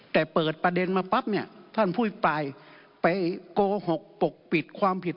แต่เปิดประเด็นมาปั๊บเนี่ยท่านผู้อภิปรายไปโกหกปกปิดความผิด